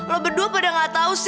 lo berdua pada gak tau sih